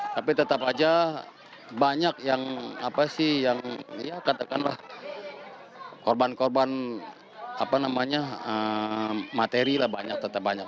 tapi tetap aja banyak yang apa sih yang ya katakanlah korban korban apa namanya materi lah banyak tetap banyak